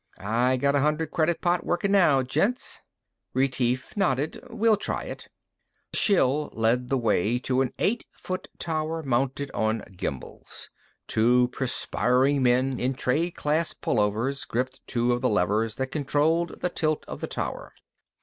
"I got a hundred credit pot workin' now, gents." Retief nodded. "We'll try it." The shill led the way to an eight foot tower mounted on gimbals. Two perspiring men in trade class pullovers gripped two of the levers that controlled the tilt of the tower.